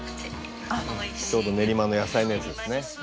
ちょうど「練馬の野菜」のやつですね。